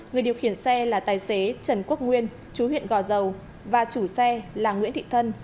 người điều khiển xe là tài xế trần quốc nguyên chú huyện gò dầu và chủ xe là nguyễn thị thân